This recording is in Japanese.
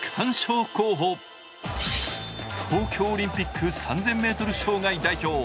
東京オリンピック３０００ｍ障害代表。